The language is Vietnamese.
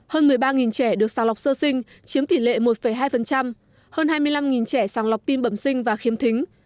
hơn một mươi ba trẻ được sàng lọc sơ sinh chiếm tỉ lệ một hai hơn hai mươi năm trẻ sàng lọc tin bẩm sinh và khiêm thính